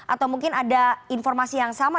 atau mungkin ada informasi yang sama